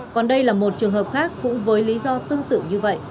còn đây là một trường hợp khác cũng với lý do tương tự như vậy